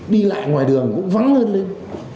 đi lại ngoài đường cũng vắng hơn lên